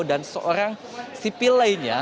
dan seorang sipil lainnya